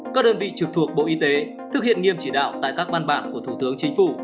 các đơn vị trực thuộc bộ y tế thực hiện nghiêm chỉ đạo tại các văn bản của thủ tướng chính phủ